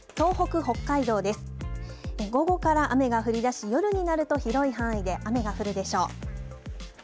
午後から雨が降り出し夜になると広い範囲で雨が降るでしょう。